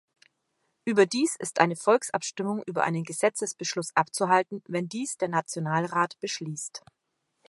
Überdies ist eine Volksabstimmung über einen Gesetzesbeschluss abzuhalten, wenn dies der Nationalrat beschließt.